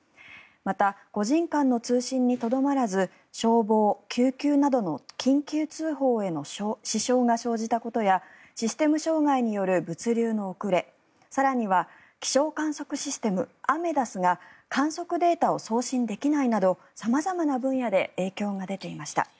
また、個人間の通信にとどまらず消防、救急などの緊急通報への支障が生じたことやシステム障害による物流の遅れ更には、気象観測システムアメダスが観測データを送信できないなど様々な分野で影響が出ていました。